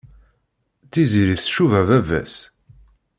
Tiziri tcuba baba-s.